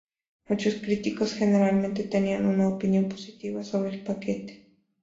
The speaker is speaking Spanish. Muchos críticos generalmente tenían una opinión positiva sobre el paquete.